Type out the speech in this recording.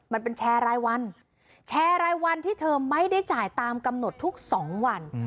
มันเป็นแชร์รายวันแชร์รายวันที่เธอไม่ได้จ่ายตามกำหนดทุก๒วัน